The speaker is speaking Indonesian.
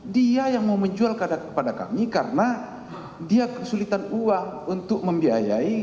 dia yang mau menjual kepada kami karena dia kesulitan uang untuk membiayai